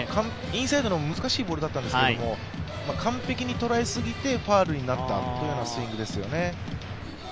インサイドの難しいボールだったんですけども完璧に捉えすぎてファウルになったというようなスイングですよね。